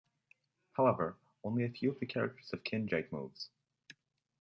However, only a few of the characters have Kinjite moves.